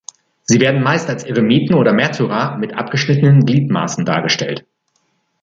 Sie werden meist als Eremiten oder als Märtyrer mit abgeschnittenen Gliedmaßen dargestellt.